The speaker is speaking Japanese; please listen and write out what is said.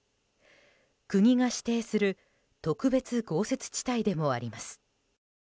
国が指定する特別豪雪地帯でもあります。